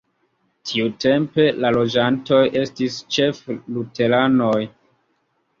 Tiutempe la loĝantoj estis ĉefe luteranoj.